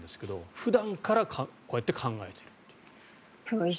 普段からこうやって考えている。